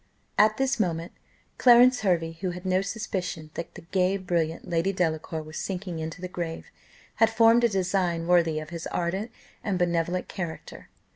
At this moment Clarence Hervey, who had no suspicion that the gay, brilliant Lady Delacour was sinking into the grave, had formed a design worthy of his ardent and benevolent character.